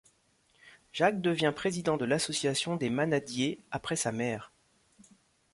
Jacques devient président de l'Association des manadiers après sa mère.